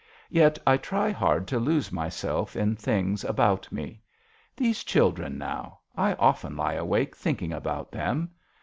Yet I try hard to lose myself in things about me. These children now I often lie awake thinking about them.